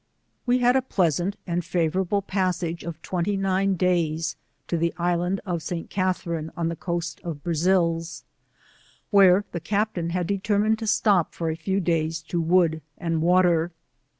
We had a pleasant and favourable passage of twenty nine days to the Island of St. Catherine on the coast of Brazils, where the Captain had de* termined to stop for a few days to wood and water.